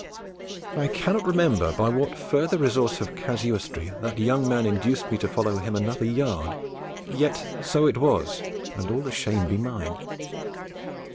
I cannot remember by what further resource of casuistry that young man induced me to follow him another yard; yet so it was, and all the shame be mine.